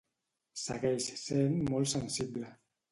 Segueix sent molt sensible.